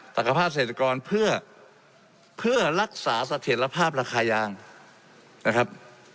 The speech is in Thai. ตักภาพเศรษฐกรเพื่อรักษาเสถียรภาพราคายางนะครับ